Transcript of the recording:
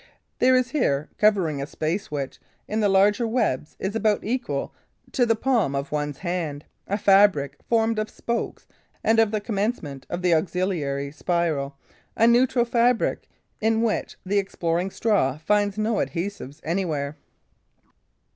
There is here, covering a space which, in the larger webs, is about equal to the palm of one's hand, a fabric formed of spokes and of the commencement of the auxiliary spiral, a neutral fabric in which the exploring straw finds no adhesiveness anywhere.